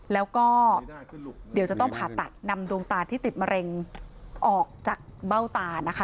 แล้วก็เดี๋ยวจะต้องผ่าตัดนำดวงตาที่ติดมะเร็งออกจากเบ้าตานะคะ